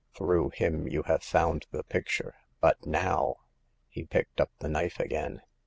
Through him you have found the picture ; but now " He picked up the knife again.